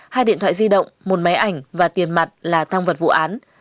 hai điện thoại di động một máy ảnh và tiền mặt là tăng vật vụ án